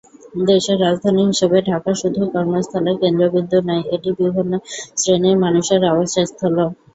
দেশের রাজধানী হিসেবে ঢাকা শুধুই কর্মস্থলের কেন্দ্রবিন্দু নয়, এটি বিভিন্ন শ্রেণির মানুষের আবাসস্থলও।